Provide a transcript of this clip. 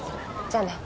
じゃあね。